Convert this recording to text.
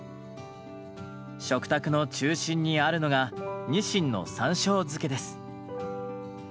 食卓の中心にあるのが「にしんの山しょう漬け」です。